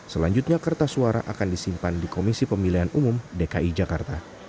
selanjutnya kertas suara akan disimpan di komisi pemilihan umum dki jakarta